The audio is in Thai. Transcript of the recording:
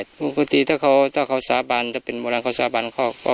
สมมุติถ้าเขาถ้าเขาสาบานถ้าเป็นโบราณเขาสาบาน